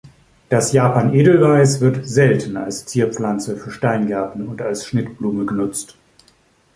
Das Japan-Edelweiß wird selten als Zierpflanze für Steingärten und als Schnittblume genutzt.